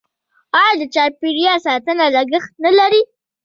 آیا د چاپیریال ساتنه لګښت نلري؟